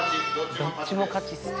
どっちも勝ちです。